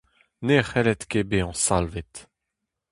Ne c’hellit ket bezañ salvet.